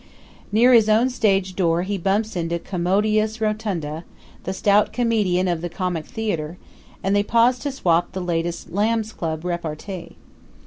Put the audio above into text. Near his own stage door he bumps into Commodious Rotunda, the stout comedian of the comic theater, and they pause to swap the latest Lambs' Club repartee.